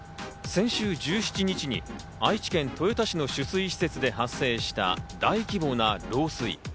先週１７日に愛知県豊田市の取水施設で発生した大規模な漏水。